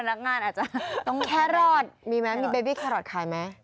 นักงานอาจจะต้องแค่รอดมีไหมมีเบบี้แครอทขายไหม